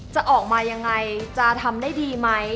จะออกมายังไงจะทำได้ดีไหม